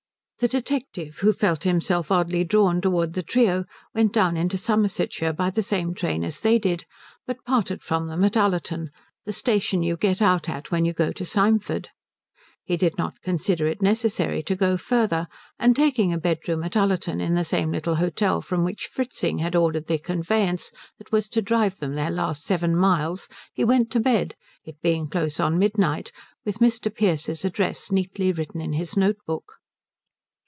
The detective, who felt himself oddly drawn towards the trio, went down into Somersetshire by the same train as they did, but parted from them at Ullerton, the station you get out at when you go to Symford. He did not consider it necessary to go further; and taking a bedroom at Ullerton in the same little hotel from which Fritzing had ordered the conveyance that was to drive them their last seven miles he went to bed, it being close on midnight, with Mr. Pearce's address neatly written in his notebook.